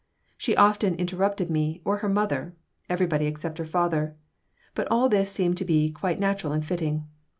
She often interrupted me or her mother; everybody except her father. But all this seemed to be quite natural and fitting.